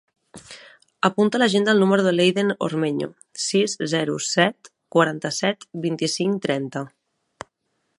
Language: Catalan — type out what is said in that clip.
Apunta a l'agenda el número de l'Eiden Ormeño: sis, zero, set, quaranta-set, vint-i-cinc, trenta.